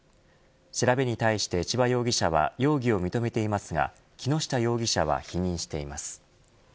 調べに対して千葉容疑者は容疑を認めていますが木下容疑者は否認しています。